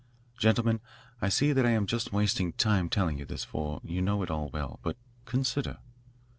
Gentlemen, I see that I am just wasting time telling you this, for you know it all well. But consider."